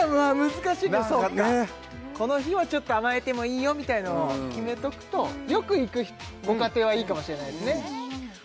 難しいそうかこの日はちょっと甘えてもいいよみたいのを決めとくとよく行くご家庭はいいかもしれないですね